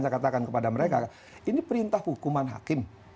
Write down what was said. saya katakan kepada mereka ini perintah hukuman hakim